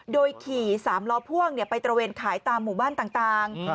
โดยขี่๓ล้อพ่วงไปตระเวนขายตามหมู่บ้านต่าง